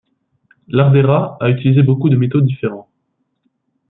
Lardera a utilisé beaucoup de métaux différents.